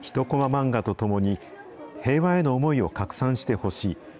漫画と共に、平和への思いを拡散してほしい。